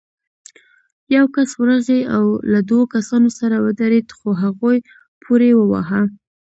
يو کس ورغی، له دوو کسانو سره ودرېد، خو هغوی پورې واهه.